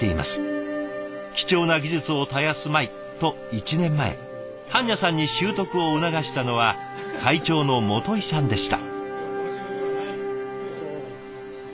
貴重な技術を絶やすまいと１年前盤若さんに習得を促したのは会長の元井さんでした。